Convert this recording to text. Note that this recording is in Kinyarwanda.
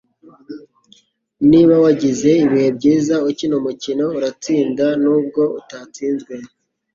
Niba wagize ibihe byiza ukina umukino, uratsinda nubwo utsinzwe.